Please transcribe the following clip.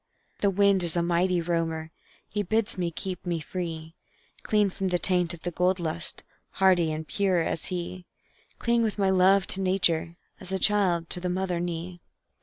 The wind is a mighty roamer; He bids me keep me free, Clean from the taint of the gold lust, Hardy and pure as he; Cling with my love to nature, As a child to the mother knee.